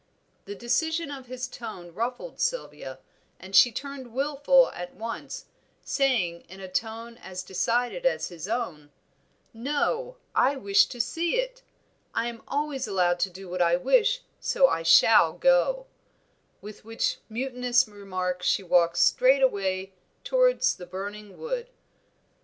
The decision of his tone ruffled Sylvia, and she turned wilful at once, saying in a tone as decided as his own "No; I wish to see it. I am always allowed to do what I wish, so I shall go;" with which mutinous remark she walked straight away towards the burning wood.